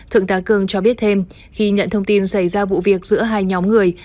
thượng tá cường cho biết thêm khi nhận thông tin xảy ra vụ việc giữa hai nhóm người